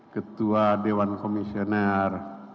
ketua dewan komisioner